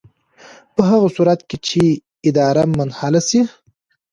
په هغه صورت کې چې اداره منحله شي.